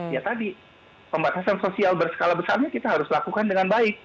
ya tadi pembatasan sosial berskala besarnya kita harus lakukan dengan baik